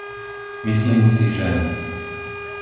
Myslím si, že